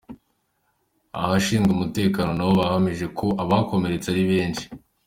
Abashinzwe umutekano na bo bahamije ko abakomeretse ari benshi.